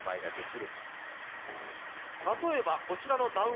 例えばこちらのダウン